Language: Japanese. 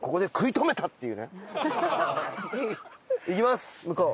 行きます向こう。